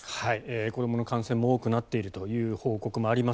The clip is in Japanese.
子どもの感染も多くなっているという報告あります。